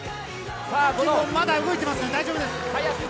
まだ動いてますね大丈夫です。